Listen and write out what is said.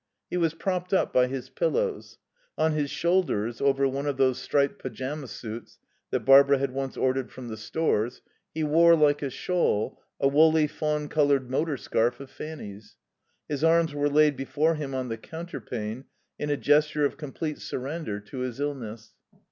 He was propped up by his pillows. On his shoulders, over one of those striped pyjama suits that Barbara had once ordered from the Stores, he wore, like a shawl, a woolly, fawn coloured motor scarf of Fanny's. His arms were laid before him on the counterpane in a gesture of complete surrender to his illness.